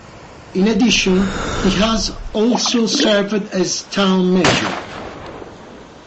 In addition, he has also served as town mayor.